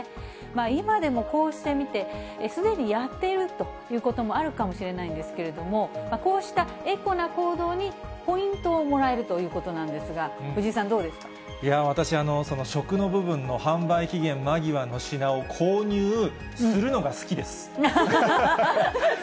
今でもこうして見て、すでにやっているということもあるかもしれないんですけれども、こうしたエコな行動にポイントをもらえるということなんですが、私、食の部分の販売期限間際の品を購入するのが好きです。